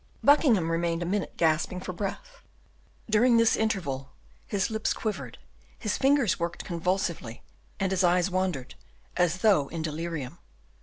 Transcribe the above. Buckingham remained a minute gasping for breath; during this interval, his lips quivered, his fingers worked convulsively, and his eyes wandered, as though in delirium.